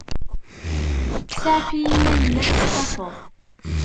Saɛef-iyi ma yella testafeḍ.